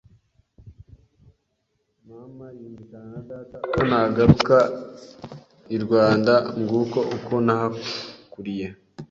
m mama yumvikana na data ko nagaruka i Rwanda ng’uko uko nahakuriye.